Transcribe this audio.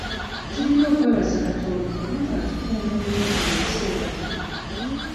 Tulina okwebaza Katonda kubanga atukuumye bulungi mu biseera bino.